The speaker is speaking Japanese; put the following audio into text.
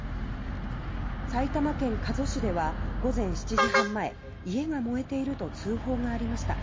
埼玉県加須市では午前７時半前家が燃えていると通報がありました。